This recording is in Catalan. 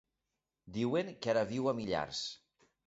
Diuen que ara viu a Millars.